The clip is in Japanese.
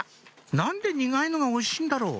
「何で苦いのがおいしいんだろう？」